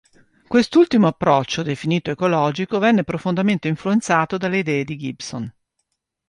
Quest'ultimo approccio, definito ecologico, venne profondamente influenzato dalle idee di Gibson.